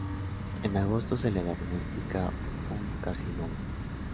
En agosto se le diagnostica un carcinoma.